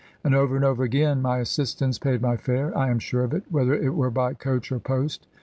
And over and over again, my assistance paid my fare, I am sure of it, whether it were by coach or post.